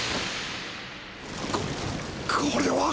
ここれは！？